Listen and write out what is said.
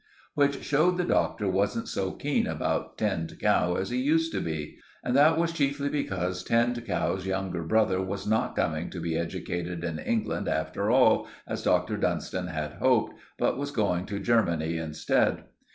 Which showed the Doctor wasn't so keen about Tinned Cow as he used to be; and that was chiefly because Tinned Cow's younger brother was not coming to be educated in England after all, as Dr. Dunstan had hoped, but was going to Germany instead.